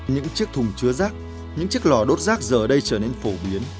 những chiếc thùng chứa rác những chiếc lò đốt rác giờ đây trở nên phổ biến